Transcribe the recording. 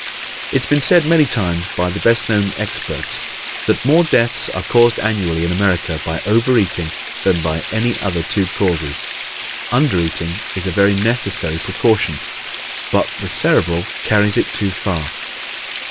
It has been said many times by the best known experts that "more deaths are caused annually in America by over eating than by any other two causes." Under eating is a very necessary precaution but the Cerebral carries it too far.